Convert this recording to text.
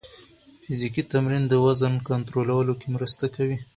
فزیکي تمرین د وزن کنټرول کې مرسته کوي.